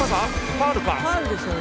ファウルか？